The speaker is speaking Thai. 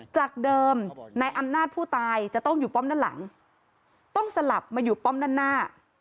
จากเดิมนายอำนาจผู้ตายจะต้องอยู่ป้อมด้านหลังต้องสลับมาอยู่ป้อมด้านหน้า